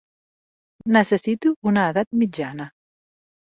Necessito una edat mitjana.